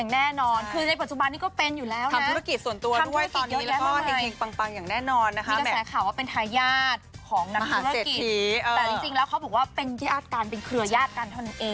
ตัวจริงแล้วเค้าบอกว่าเป็นยากราณเป็นเครือยากรรณเพิ่มเอง